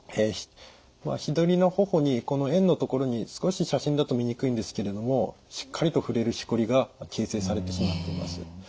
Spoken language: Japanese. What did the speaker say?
左の頬にこの円の所に少し写真だと見にくいんですけれどもしっかりと触れるしこりが形成されてしまっています。